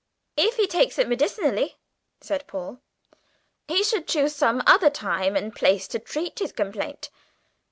"If he takes it medicinally," said Paul, "he should choose some other time and place to treat his complaint.